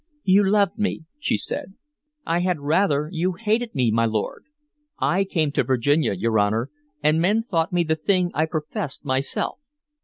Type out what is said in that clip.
"You loved me," she said. "I had rather you had hated me, my lord. I came to Virginia, your Honor, and men thought me the thing I professed myself.